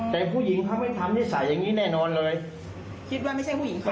แต่ผู้หญิงเขาไม่ทำนิสัยอย่างงี้แน่นอนเลยคิดว่าไม่ใช่ผู้หญิงค่ะ